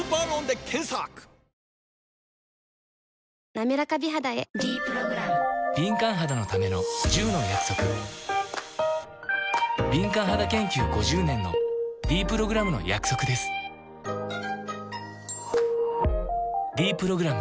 なめらか美肌へ「ｄプログラム」敏感肌研究５０年のｄプログラムの約束です「ｄプログラム」